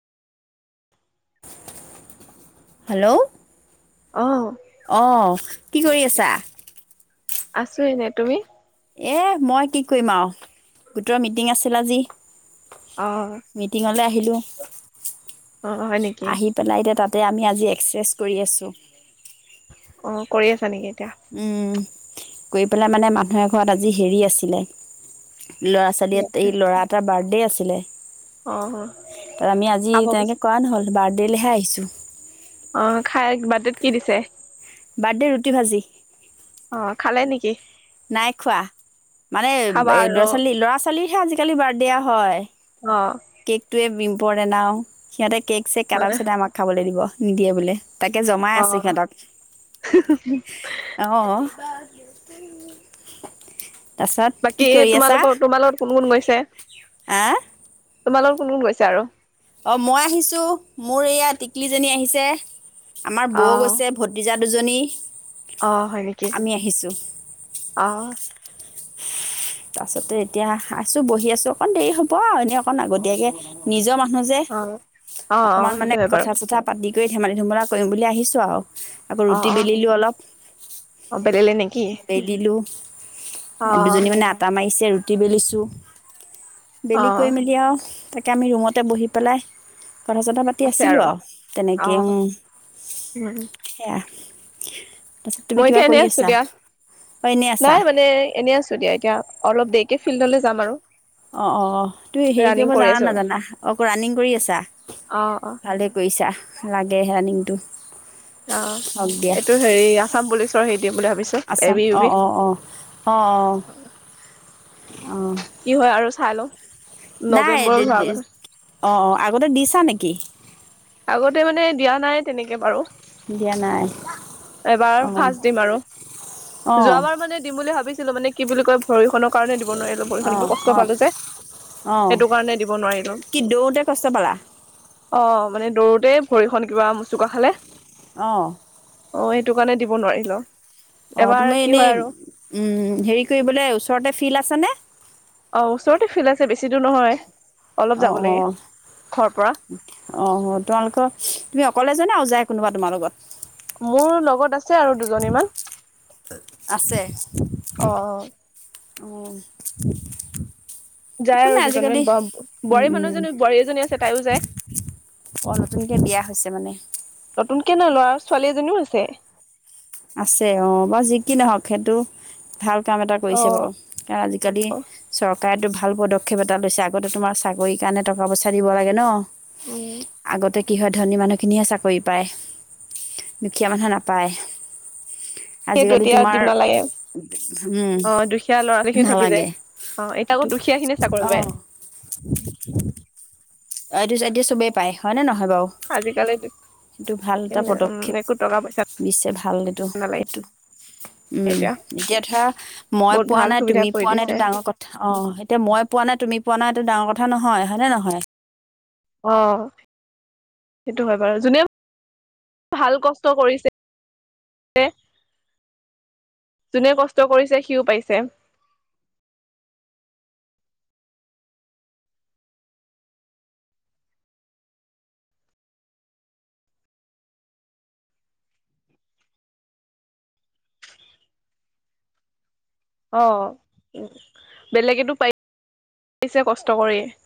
Hello অঁ' অঁ' কি কৰি আছা? আছোঁ এনেই তুমি? এহ মই কি কৰিম আও? গোটৰ মিটিং আছিল আজি। অ মিটিঙলে আহিলো, অ হয় নেকি আহি- পেলাই এতিয়া তাতে আমি আজি এক্সচেজ কৰি আছোঁ। অ' কৰি আছা নেকি এতিয়া? উম' কৰি পেলাই মানে মানুহ এঘৰত আজি হেৰি আছিলে- ল'ৰা ছোৱালী এট এতিয়া এই ল'ৰা এটাৰ বাৰ্থডে আছিলে। অ তাত আমি আজি খাব গৈছে তেনেকে কৰা নহ'ল, বাৰ্থডেলেহে আহিছো। অঁ খাই বাৰ্থডেত কি দিছে? বাৰ্থডেত ৰুটি ভাজি। অঁ খালে নেকি? নাই খোৱা, মানে এ খাবা আৰু ল'ৰা ছোৱালী ল'ৰা ছোৱালীৰহে আজিকালি বাৰথদে হয়। অঁ' কেকটোৱে ইম্পৰ্টেন্ট আও, সিহঁতে কেক চেক কটা হয় পিছতহে আমাক খাবলে দিব নিদিয়ে বোলে। তাকে জমাই অ আছো সিহঁতক, অঁ। তাৰছত বাকী কি এই কৰি আছা তোমালোকৰ তোমাৰ লগত কোন কোন গৈছে? হা তোমাৰ লগত কোন কোন গৈছে আৰু? অ মই আহিছো মোৰ এয়া টিকলিজনী আহিছে, আমাৰ অ বৌ গৈছে- ভতিজা দুজনী। অঁ হয় নেকি, আমি আহিছোঁ অঁ। তাছতে এতিয়া আছো বহি আছো অকণ দেৰি হব আও, এনেই অকণ আগতীয়াকে- নিজৰ মানুহ যে, অ অ অ অকমান মানে সেইটো হয় বাৰু কথা চথা- পাতি কৰি ধেমালি ধুমলা কৰিম বুলি আহিছোঁ আৰু, আকৌ অ ৰুটি অ বেলিলো অলপ। অ বেলিলে নি? বেলিলো, আ দুজনী মানে আট- টা মাৰিছে ৰুটি বেলিছোঁ, অ বেলি কৰি মেলি আও- এতিয়া আমি ৰুমতে বহি পেলাই কথা চথা পাত- তি আছে আছিলো আৰু আও অ তেনেকে উম, উম সেয়া। তাছত- মই এতিয়া এনেই আছো দিয়া, আছা নাই মান- নে এনেই আছো দিয়া এতিয়া অলপ দেৰিকে ফিল্ডলে যাম আৰু। অঁ অঁ তুমি হেৰি ৰানিং কৰিব কৰি জানা আছো নাজানা? অকল ৰানিং কৰি আছা অ অ ভালেই- কৰিছা, লাগে ৰানিংটো অ হওক দিয়া। এইটো হেৰি আছাম পুলিচৰ হেৰি দিম বুলি ভাবিছো। এ আচাম বি ইউ অঁ বি অঁ অঁ অঁ অঁ, অঁ। কি হয় আৰু চাই লওঁ? নাই নৱেম্বৰৰ হোৱাৰ আগতে। অঁ অঁ আগতে দিছা নেকি? আগতে মানে দিয়া নাই তেনেকে বাৰু। দিয়া নাই। এবাৰ অঁ ফাৰ্ষ্ট দিম আৰু অঁ যোৱাবাৰ মানে দিম বুলি ভাবিছিলো মানে কি বুলি কয় ভৰি খনক- কাৰণে দিব নোৱাৰিলো, অঁ ভৰিখন কষ্ট অঁ পালো যে। অঁ, সেইটো কাৰণে দিব নোৱাৰিলো কি দৌৰোতে কষ্ট পালা? অঁ মানে দৌৰোতেই ভৰিখন কিবা মোচুকা খালে। অ'। অ', এটো কাৰণে দিব নোৱাৰিলো, অঁ এবাৰ তুমি কি এনেই হয় আৰু। উম, হেৰি কৰিবলে, ওচৰতে ফিল্ড আছে নে? অ', ওচৰতে ফিল্ড আছে, বেছি দূৰ নহয়। অলপ যাব অ', লাগে অ'। ঘৰৰ পৰা অ', তোমালোকৰ, তুমি অকলে যোৱা নে, আৰু যায় কোনোবা তোমাৰ লগত? মোৰ লগত আছে আৰু দুজনী মান, অ'। অ'। যায় আৰু দুজনীমান, বোৱাৰী মানুহজনী, বোৱাৰী এজনী আছে, তাইও যায়। অ', নতুনকে বিয়া হৈছে মানে? নতুনকে নহয়, ল'ৰা, ছোৱালী এজনীও আছে। আছে অ', বা যি কি নহওঁক, সেইটো ভাল কাম এটা অ কৰিছে বাৰু, কাৰণ আজিকালি চৰকাৰ চৰকাৰেতো ভাল পদক্ষেপ এটা লৈছে, আগতে তোমাক চাকৰিৰ কাৰণে টকা পইচা দিব লাগে ন'। উম আগতে কি হয়, ধনী মানুহ খিনিয়হে চাকৰি পায়, দুখীয়া মানুহে নাপায়। সেইটো আজিকালি এতিয়া দিব তোমাৰ, নালাগে উম, অ দুখীয়া ল'ৰা ছোৱালী খিনি থাকি যায় নালাগে। অ এতিয়া আকৌ এইটো, দুখীয়া খিনিয়ে চাকৰি পায় অ'। অ', এইটো এতিয়া চবে পায়, হয় নে নহয় বাৰু। আজি কালিটো সেইটো ভাল এটা পদক্ষেপ দিছে, ভাল এইটো, নালাগে সেইটো। উম, এতিয়া ধৰা মই বহুত পোৱা ভাল নাই, সুবিধা তুমি কৰি পোৱা নাই দিছে সেইটো ডাঙৰ কথা। অ', এতিয়া মই পোৱা নাই, তুমি পোৱা নাই, এইটো ডাঙৰ কথা নহয়, হয়নে নহয়? অ', সেইটো হয় বাৰু, যোনে ভাল কষ্ট কৰিছে যোনে কষ্ট কৰিছে, সিও পাইছে। অ', বেলেগেতো পাইছে, কষ্ট কৰি।